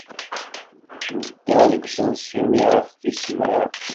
Nedda seg usensu-nni ɣef tis mraw.